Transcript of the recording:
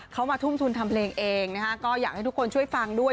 เขามาทุ่มทุนทำเพลงเองนะคะก็อยากให้ทุกคนช่วยฟังด้วย